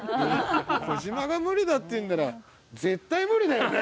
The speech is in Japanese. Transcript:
小島が無理だって言うんなら絶対無理だよね。